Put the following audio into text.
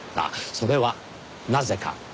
それはなぜか。